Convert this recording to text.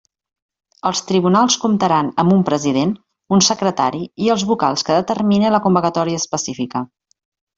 Els tribunals comptaran amb un president, un secretari i els vocals que determine la convocatòria específica.